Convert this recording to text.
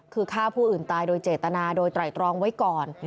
คือฆ่าผู้อื่นตายโดยเจตนาโดยไตรตรองไว้ก่อน